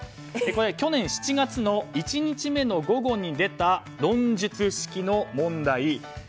去年７月の１日目の午後に出た論述式の問題。